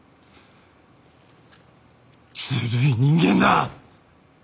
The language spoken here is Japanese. ずるい人間だ！